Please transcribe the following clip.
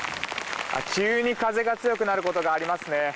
急に風が強くなることありますね。